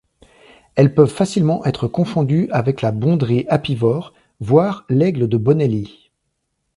Elles peuvent facilement être confondues avec la bondrée apivore, voire l'aigle de Bonelli.